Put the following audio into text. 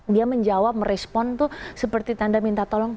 dia menjawab merespon tuh seperti tanda minta tolong